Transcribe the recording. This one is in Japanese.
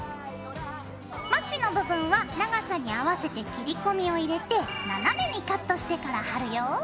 まちの部分は長さに合わせて切り込みを入れて斜めにカットしてから貼るよ。